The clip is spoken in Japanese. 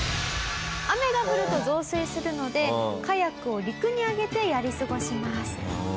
雨が降ると増水するのでカヤックを陸に揚げてやり過ごします。